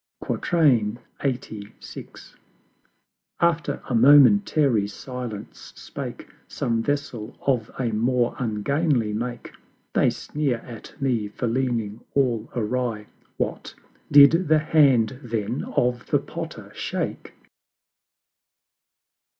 LXXXVI. After a momentary silence spake Some Vessel of a more ungainly Make; "They sneer at me for leaning all awry: What! did the Hand then of the Potter shake?"